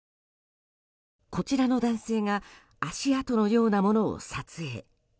こちらの男性が足跡のようなものを撮影。